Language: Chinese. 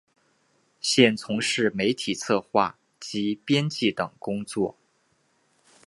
现从事媒体策划及编辑等工作。